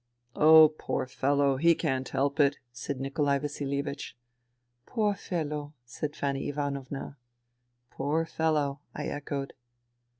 " Oh, poor fellow, he can't help it," said Nikolai IVasilievich. " Poor fellow," said Fanny Ivanovna. " Poor fellow," I echoed.